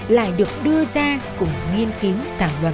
lại được đưa ra cùng nghiên cứu thảm luận